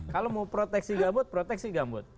kalau mau proteksi gambut proteksi gambut